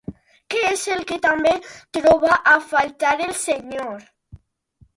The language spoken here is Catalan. Què és el que també troba a faltar el senyor?